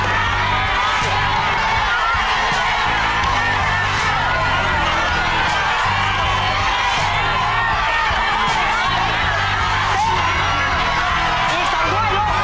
อีกสองถ้วยลูกอีกสองถ้วยนะคะลูก